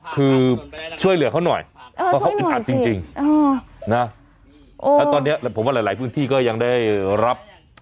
คือช่วยเหลือเขาหน่อยเพราะเขาอึดอัดจริงนะแล้วตอนนี้ผมว่าหลายพื้นที่ก็ยังได้รับ